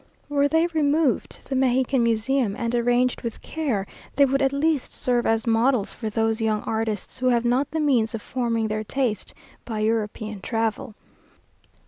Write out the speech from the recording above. Were they removed to the Mexican Museum, and arranged with care, they would at least serve as models for those young artists who have not the means of forming their taste by European travel.